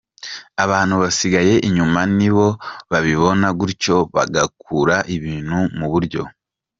Abantu basigaye inyuma nibo babibona gutyo bagakura ibintu mu buryo.